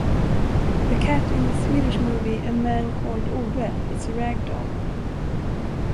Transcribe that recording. The cat in the Swedish movie "A Man Called Ove" is a ragdoll.